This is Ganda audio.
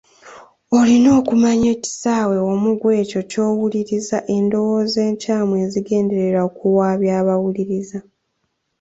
Olina okumanya ekisaawe omugwa ekyo ky’owuliriza, endowooza enkyamu ezigenderera okuwabya abawuluriza.